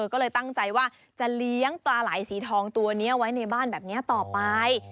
ก็เลยตั้งใจว่าจะเลี้ยงปลาไหล่สีทองตัวนี้ไว้ในบ้านแบบนี้ต่อไป